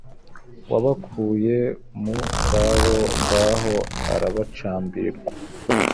Wabakuye mu byabo Ngaha arabacambirwa*